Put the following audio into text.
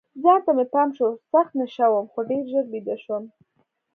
ځان ته مې پام شو، سخت نشه وم، خو ډېر ژر بیده شوم.